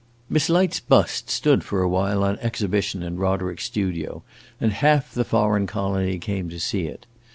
Miss Light's bust stood for a while on exhibition in Roderick's studio, and half the foreign colony came to see it.